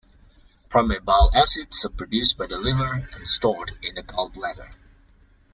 Primary bile acids are produced by the liver and stored in the gall bladder.